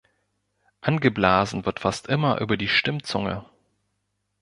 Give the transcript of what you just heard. Angeblasen wird fast immer über der Stimmzunge.